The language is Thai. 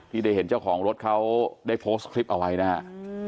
ที่ได้เห็นเจ้าของรถเขาได้โพสต์คลิปเอาไว้นะฮะ